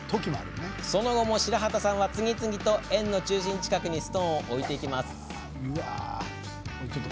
その後も白畑さんは次々と円の中心近くにストーンを置いていきます。